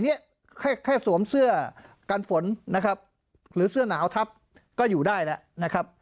แค่แค่สวมเสื้อกันฝนนะครับหรือเสื้อหนาวทับก็อยู่ได้แล้วนะครับ